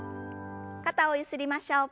肩をゆすりましょう。